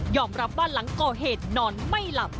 รับว่าหลังก่อเหตุนอนไม่หลับ